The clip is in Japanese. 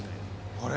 あれ？